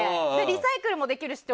リサイクルもできるし。